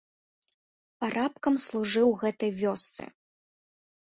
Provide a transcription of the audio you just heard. Парабкам служыў у гэтай вёсцы.